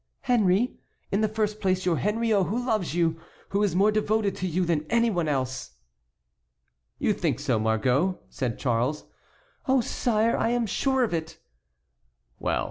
"Henry, in the first place; your Henriot, who loves you, who is more devoted to you than any one else." "You think so, Margot?" said Charles. "Oh! sire, I am sure of it."